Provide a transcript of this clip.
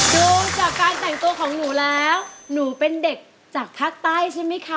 ดูจากการแต่งตัวของหนูแล้วหนูเป็นเด็กจากภาคใต้ใช่ไหมคะ